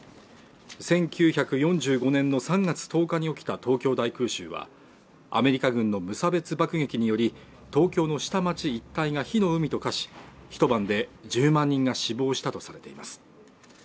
１９４５年の３月１０日に起きた東京大空襲はアメリカ軍の無差別爆撃により東京の下町一帯が火の海と化し一晩で１０万人が死亡したとされています